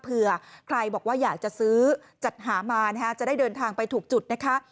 เผื่อใครบอกว่าอยากจะซื้อจัดหามานะคะจะได้เดินทางไปถูกจุดนะคะ